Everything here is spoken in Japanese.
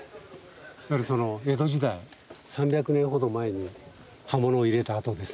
いわゆるその江戸時代３００年ほど前に刃物を入れた痕ですね。